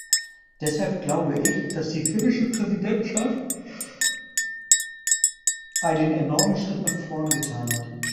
Deshalb glaube ich, dass die finnische Präsidentschaft einen enormen Schritt nach vorn getan hat.